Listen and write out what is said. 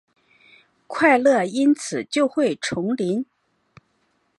快乐因此就会重临？